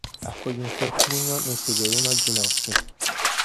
A quell'infortunio ne segue uno al ginocchio.